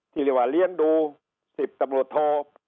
ที่เรียกว่าเลี้ยงดู๑๐ตำรวจโท